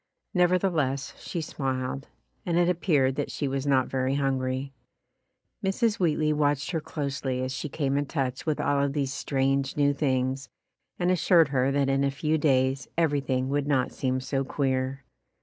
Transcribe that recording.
Never theless she smiled, and it appeared that she was not very hungry. Mrs. Wheatley watched her closely as she came in touch with all of these strange new things and assured her that in a few days everything would not seem so queer.